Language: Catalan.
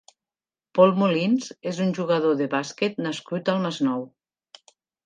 Pol Molins és un jugador de bàsquet nascut al Masnou.